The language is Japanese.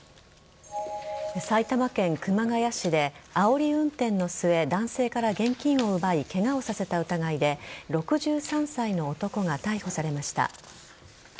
埼玉県熊谷市であおり運転の末男性から現金を奪いケガをさせた疑いで６３歳の男が逮捕されました。